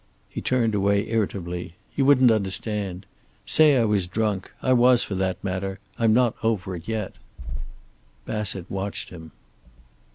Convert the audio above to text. He turned away irritably. "You wouldn't understand. Say I was drunk. I was, for that matter. I'm not over it yet." Bassett watched him.